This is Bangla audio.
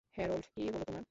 হ্যারোল্ড, কি হলো তোমার?